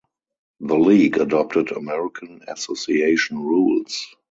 The league adopted American Association rules.